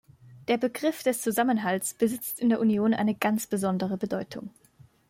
Der Begriff des Zusammenhalts besitzt in der Union eine ganz besondere Bedeutung.